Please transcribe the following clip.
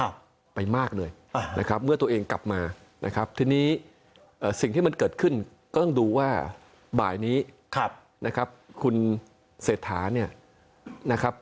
ว่าบ่ายนี้ครับนะครับคุณเศรษฐาเนี่ยนะครับ